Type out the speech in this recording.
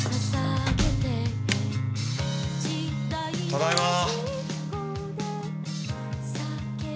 ただいま！